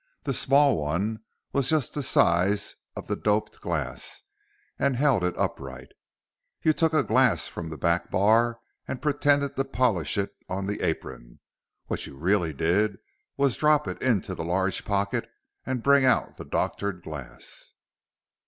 The small one was just the size of the doped glass and held it upright. You took a glass from the back bar and pretended to polish it on the apron. What you really did was drop it into the large pocket and bring out the doctored glass.